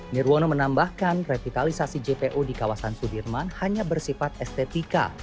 nirwono menambahkan revitalisasi jpo di kawasan sudirman hanya bersifat estetika